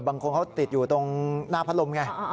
บางคนเขาติดอยู่ตรงหน้าพัดลมไง